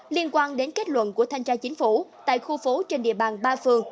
liên quan đến kết luận của thanh tra chính phủ tại khu phố trên địa bàn ba phường